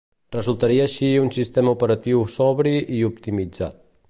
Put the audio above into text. Resultaria així un sistema operatiu sobri i optimitzat.